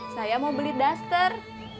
saya mau beli duster